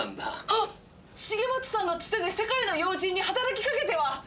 重松さんのつてで世界の要人に働きかけては？